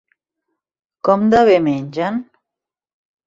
Com de bé mengen?